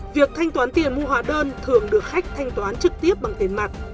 việc thanh toán tiền mua hóa đơn thường được khách thanh toán trực tiếp bằng tiền mặt